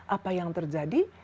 apa yang terjadi